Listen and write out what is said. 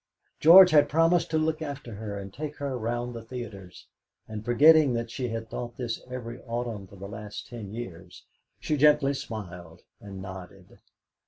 George had promised to look after her, and take her round the theatres. And forgetting that she had thought this every autumn for the last ten years, she gently smiled and nodded.